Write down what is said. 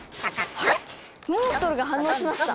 あれっモンストロが反応しました。